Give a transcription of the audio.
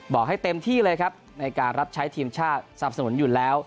บอกให้เต็มที่เลยครับในการรับใช้ทีมชาติสนับสนุนอยู่แล้ว